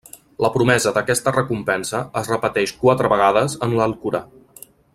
La promesa d'aquesta recompensa es repeteix quatre vegades en l'Alcorà.